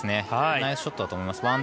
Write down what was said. ナイスショットだと思います。